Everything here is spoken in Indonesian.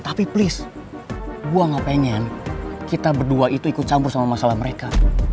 tapi please gue gak pengen kita berdua itu ikut campur sama masalah mereka